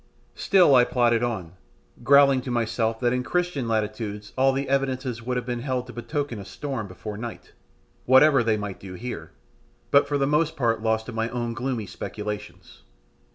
Still I plodded on, growling to myself that in Christian latitudes all the evidences would have been held to betoken a storm before night, whatever they might do here, but for the most part lost in my own gloomy speculations.